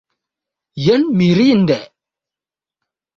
Jen mirinde!